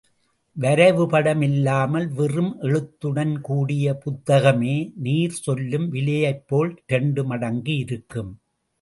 வரைவுப்படம் இல்லாமல் வெறும் எழுத்துடன் கூடிய புத்தகமே நீர் சொல்லும் விலையைப் போல் இரண்டு மடங்கு இருக்கும்.